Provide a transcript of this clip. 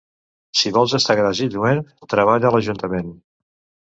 Si vols estar gras i lluent, treballa a l'ajuntament.